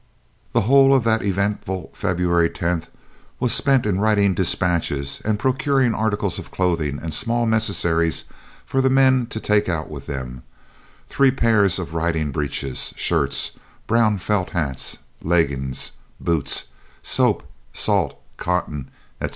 The whole of that eventful February 10th was spent in writing dispatches and procuring articles of clothing and small necessaries for the men to take out with them; three pairs of riding breeches, shirts, brown felt hats, leggings, boots, soap, salt, cotton, etc.